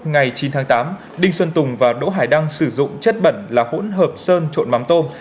ngày chín tháng tám đinh xuân tùng và đỗ hải đăng sử dụng chất bẩn là hỗn hợp sơn trộn mắm tôm